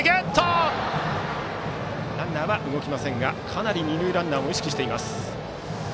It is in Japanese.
ランナーは動きませんがピッチャーはかなり二塁ランナーを意識しています。